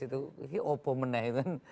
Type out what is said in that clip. itu opo meneh kan